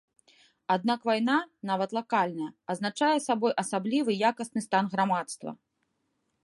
Аднак вайна, нават лакальная, азначае сабой асаблівы якасны стан грамадства.